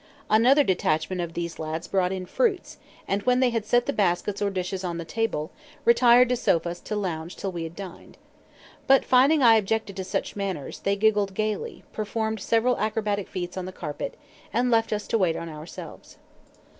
Another detachment of these lads brought in fruits, and, when they had set the baskets or dishes on the table, retired to sofas to lounge till we had dined. But finding I objected to such manners, they giggled gayly, performed several acrobatic feats on the carpet, and left us to wait on ourselves.